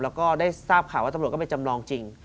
แล้วก็ได้ทราบข่าวว่าตำรวจก็ไปจำลองจริง